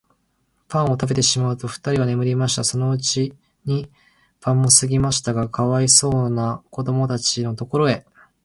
パンをたべてしまうと、ふたりは眠りました。そのうちに晩もすぎましたが、かわいそうなこどもたちのところへ、